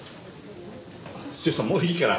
千代さんもういいから。